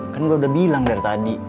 kan gue udah bilang dari tadi